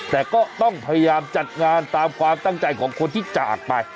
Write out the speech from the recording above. แต่ก็ต้องพยายามจัดงานตามความตั้งใจของคนที่จากไป